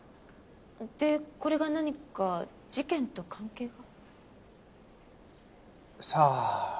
でこれが何か事件と関係が？さあ。